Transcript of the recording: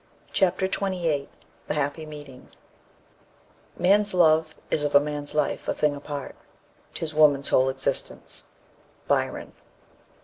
CHAPTER XXVIII THE HAPPY MEETING "Man's love is of man's life, a thing apart; 'Tis woman's whole existence." Byron.